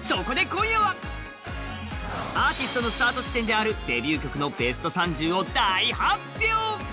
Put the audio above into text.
そこで今夜はアーティストのスタート地点であるデビュー曲のベスト３０を大発表。